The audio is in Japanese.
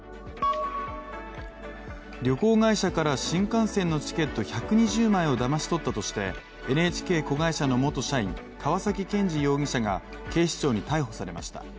旅行会社から新幹線のチケット１２０枚をだまし取ったとして、ＮＨＫ子会社の元社員、川崎健治容疑者が警視庁に逮捕されました。